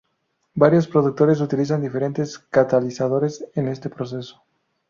Varios productores utilizan diferentes catalizadores en este proceso.